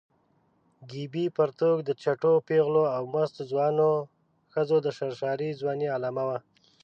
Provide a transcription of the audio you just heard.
ګیبي پرتوګ د چټو پېغلو او مستو ځوانو ښځو د سرشاره ځوانۍ علامه وه.